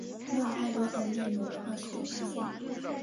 没有太多阿根廷龙的化石被发现。